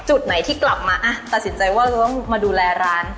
จุดไหนที่กลับมาตัดสินใจว่าเราต้องมาดูแลร้าน